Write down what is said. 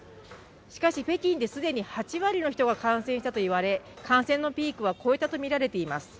しかし、北京で既に８割の人が感染したとみられ、感染のピークは越えたとみられています。